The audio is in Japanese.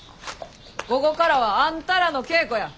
午後からはあんたらの稽古や。